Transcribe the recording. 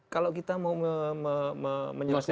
kalau kita mau menyebaskan masalah